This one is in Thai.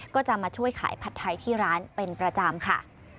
ก็จะมาช่วยขายผัดไทยที่ร้านเป็นประจำค่ะ